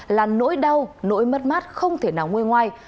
là nỗi đau nỗi mất mát không thể nào ngôi ngoài